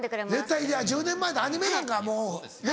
絶対１０年前アニメなんかもうね。